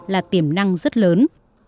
là tiềm năng rất lớn